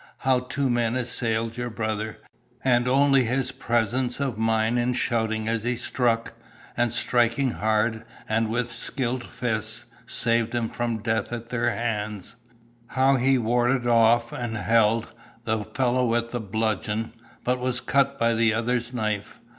How two men assailed your brother, and only his presence of mind in shouting as he struck, and striking hard and with skilled fists, saved him from death at their hands; how he warded off, and held, the fellow with the bludgeon, but was cut by the other's knife.